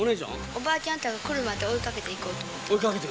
おばちゃんとか来るまで追いかけていこうと思って。